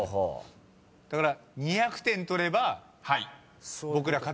だから。